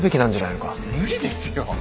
無理ですよ。